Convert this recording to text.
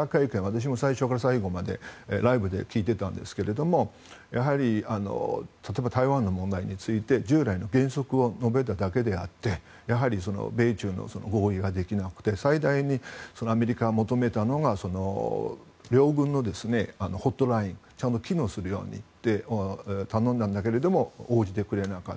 私も最初から最後までライブで聞いていたんですけどやはり、例えば台湾問題について従来の原則を述べただけであってやはり、米中の合意はできなくて最大にアメリカが求めたのが両軍のホットラインがちゃんと機能するようにと頼んだんだけれども応じてくれなかった。